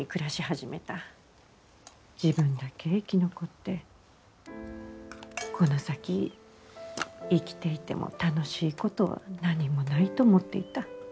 自分だけ生き残ってこの先生きていても楽しいことは何もないと思っていた。